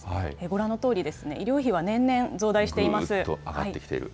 ご覧のとおり、医療費は年々増大しています。